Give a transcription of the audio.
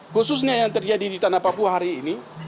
khususnya yang terjadi di tanah papua hari ini